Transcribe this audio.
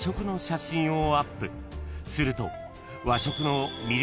［すると］